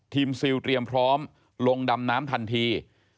ซิลเตรียมพร้อมลงดำน้ำทันที